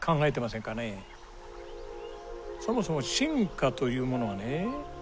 そもそも進化というものはね